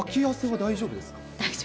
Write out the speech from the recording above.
大丈夫です。